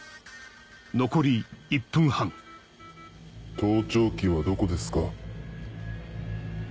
盗聴器はどこですか？